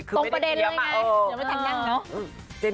ตกประเด็นแล้วยังไงเดี๋ยวนี้ถึงยังเหรอ